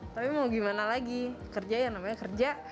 tapi mau gimana lagi kerja yang namanya kerja